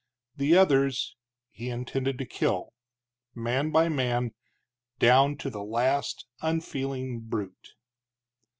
The others he intended to kill, man by man, down to the last unfeeling brute.